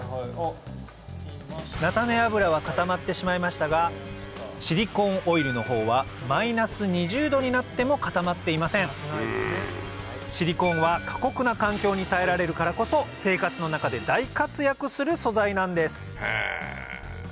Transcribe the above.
菜種油は固まってしまいましたがシリコーンオイルの方はマイナス２０℃になっても固まっていませんシリコーンは過酷な環境に耐えられるからこそ生活の中で大活躍する素材なんです